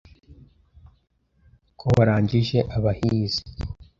Ko warangije abahizi